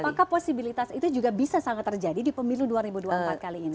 apakah posibilitas itu juga bisa sangat terjadi di pemilu dua ribu dua puluh empat kali ini